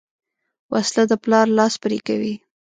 وسله د پلار لاس پرې کوي